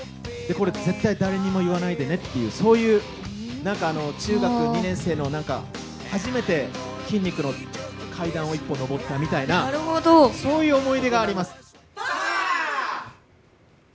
これ、絶対誰にも言わないでねっていう、そういうなんか中学２年生の、なんか、初めて筋肉の階段を一歩登ったみたいな、そういう思い出がありまパワー！